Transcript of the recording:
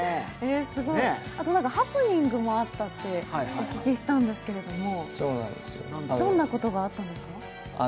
あとハプニングもあったとお聞きしたんですけどどんなことがあったんですか？